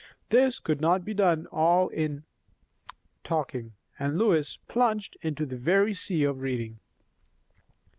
This could not be done all in talking; and Lois plunged into a very sea of reading.